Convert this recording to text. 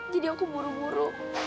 jadi aku buru buru